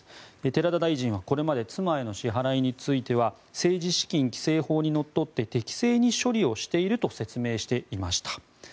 寺田大臣はこれまで妻への支払いについては政治資金規正法にのっとって適正に処理をしていると説明していました。